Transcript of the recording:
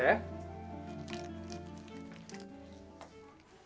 ini buat kamu